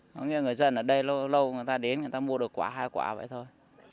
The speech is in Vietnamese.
nói như người dân ở đây lâu lâu người ta đến người ta mua được quả hai quả vậy thôi